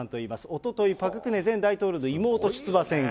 おととい、パク・クネ前大統領の妹出馬宣言。